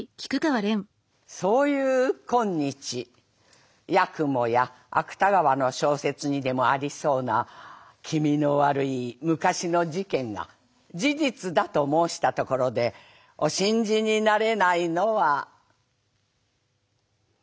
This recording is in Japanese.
そういう今日八雲や芥川の小説にでもありそうな気味の悪い昔の事件が事実だと申したところでお信じになれないのは」。